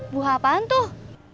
buah apaan tuh